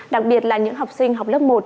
đặc biệt là những học sinh học lớp một